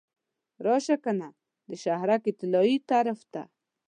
راشه کنه د شهرک طلایي طرف ته.